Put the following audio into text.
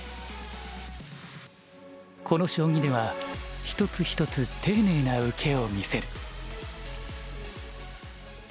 この将棋では一つ一つ丁寧な受けを見せる。